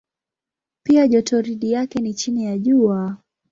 Pia jotoridi yake ni chini ya Jua.